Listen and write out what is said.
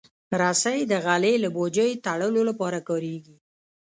رسۍ د غلې له بوجۍ تړلو لپاره کارېږي.